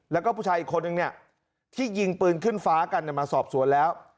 แล้วก็ผู้ชายอีกคนนึงเนี่ยที่ยิงปืนขึ้นฟ้ากันมาสอบสวนแล้ว